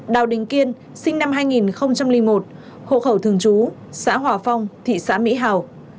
đào đình kiên sinh năm hai nghìn một hộ khẩu thương chú xã hòa phong thị xã mỹ hào